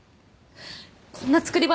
こんな作り話